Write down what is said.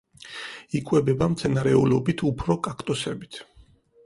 იკვებება მცენარეულობით, უფრო კაქტუსებით.